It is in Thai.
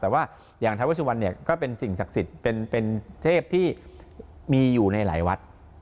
แต่ว่าอย่างทาเวสุวรรณเนี่ยก็เป็นสิ่งศักดิ์สิทธิ์เป็นเทพที่มีอยู่ในหลายวัด